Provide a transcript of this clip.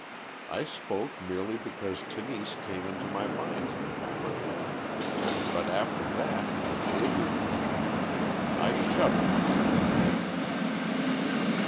I spoke merely because Tenise came into my mind at the moment. But after that, the deluge; I shudder when I think of it."